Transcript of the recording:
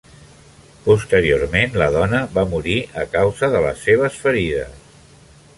Posteriorment, la dona va morir a causa de les seves ferides.